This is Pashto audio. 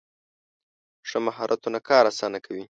ښه مهارتونه کار اسانه کوي.